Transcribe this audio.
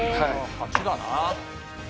８だな。